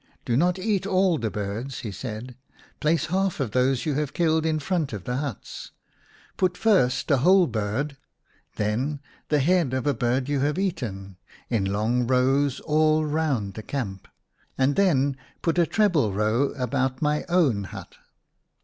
" Do not eat all the birds/' he said. " Place half of those you have killed in front of the huts. Put first a whole bird, then the head of a bird you have eaten, in long rows all round the camp, and then put a treble row about my own hut."